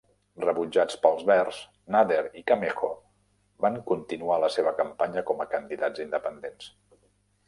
Rebutjats pels Verds, Nader y Camejo van continuar la seva campanya com a candidats independents.